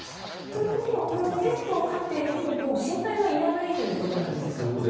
ということは、これはペットを飼っている人ももう心配はいらないということなんでしょうか。